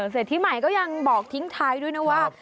เสร็จที่ใหม่ก็ยังบอกทิ้งท้ายด้วยนะว่า